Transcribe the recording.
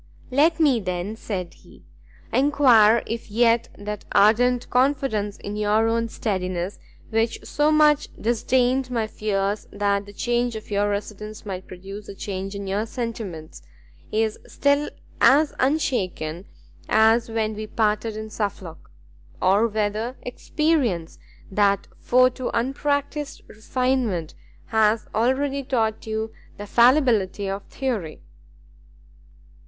"Let me, then," said he, "enquire if yet that ardent confidence in your own steadiness, which so much disdained my fears that the change of your residence might produce a change in your sentiments, is still as unshaken as when we parted in Suffolk? Or whether experience, that foe to unpractised refinement, has already taught you the fallibility of theory?"